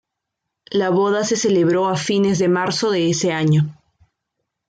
La boda se celebró a fines de marzo de ese año.